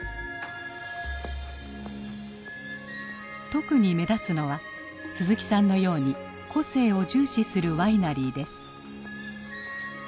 特に目立つのは鈴木さんのように個性を重視するワイナリーです。